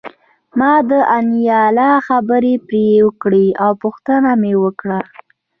ما د انیلا خبرې پرې کړې او پوښتنه مې وکړه